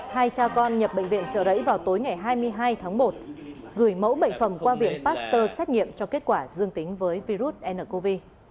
hai cha con nhập bệnh viện trợ rẫy vào tối ngày hai mươi hai tháng một gửi mẫu bệnh phẩm qua viện pasteur xét nghiệm cho kết quả dương tính với virus ncov